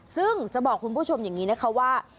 ซึ่งจะบอกคุณผู้ชมอย่างนี้นะคะว่า